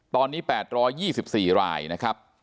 ตอนนี้๘๒๔รายนะครับ